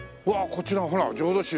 こちらもほら「浄土宗」。